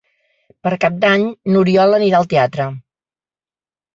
Per Cap d'Any n'Oriol anirà al teatre.